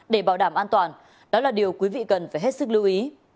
để bảo đảm an toàn đó là điều quý vị cần phải hết sức lưu ý